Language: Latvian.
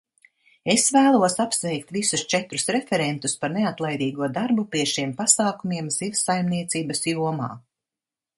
Es vēlos apsveikt visus četrus referentus par neatlaidīgo darbu pie šiem pasākumiem zivsaimniecības jomā.